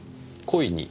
故意に？